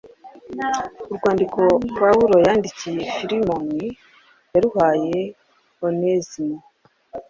Urwandiko Pawulo yandikiye Filemoni yaruhaye Onesimo